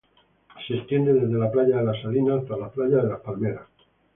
Se extiende desde la playa de las Salinas hasta la playa de las Palmeras.